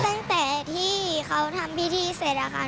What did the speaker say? ตั้งแต่ที่เขาทำพิธีเสร็จอะค่ะ